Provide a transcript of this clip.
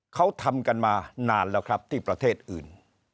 เขาทำกันมานานแล้วครับที่ประเทศอื่น